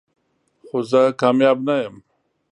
خو زه کامیاب نه یم .